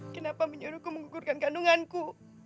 kenapa menyuruhku menggugurkan kandunganku